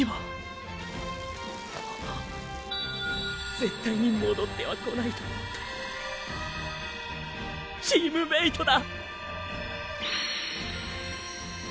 絶対に戻ってはこないと思ったチームメイトだ！！